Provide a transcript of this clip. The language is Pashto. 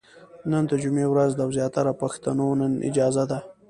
نن د جمعې ورځ ده او زياتره پښتنو نن اجازه ده ،